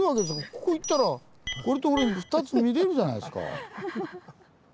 ここ行ったらこれとこれ２つ見れるじゃないですか。